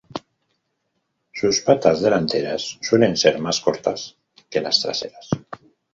Sus patas delanteras suelen ser más cortas que las traseras.